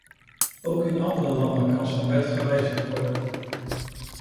Ook in andere landen kan zo'n wet gewijzigd worden.